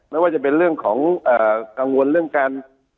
ไม่ว่าจะเป็นเรื่องของกังวลเรื่องการ